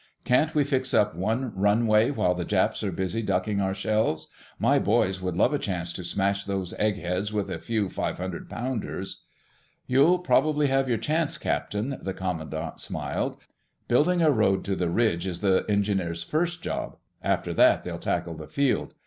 Can't we fix up one runway while the Japs are busy ducking our shells? My boys would love a chance to smash those egg heads with a few five hundred pounders." "You'll probably have your chance, Captain," the commandant smiled. "Building a road to the Ridge is the engineers' first job; after that they'll tackle the field.